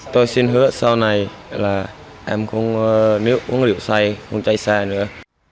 tôi xin hứa sau này là em không nếu uống rượu say không chạy xa nữa